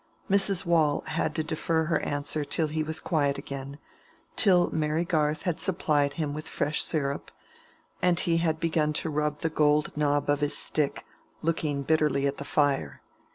Mrs. Waule had to defer her answer till he was quiet again, till Mary Garth had supplied him with fresh syrup, and he had begun to rub the gold knob of his stick, looking bitterly at the fire.